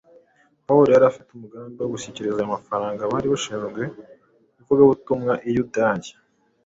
Pawulo yari afite umugambi wo gushyikiriza aya mafaranga abari bashinzwe ivugabutumwa i Yudaya